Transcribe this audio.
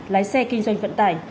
lái xe kinh doanh vận tải